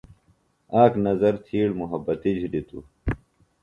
اک نظر تِھیڑ محبتی جُھلیۡ توۡ۔